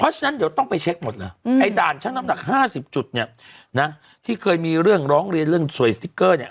เพราะฉะนั้นเดี๋ยวต้องไปเช็คหมดเลยไอ้ด่านช่างน้ำหนัก๕๐จุดเนี่ยนะที่เคยมีเรื่องร้องเรียนเรื่องสวยสติ๊กเกอร์เนี่ย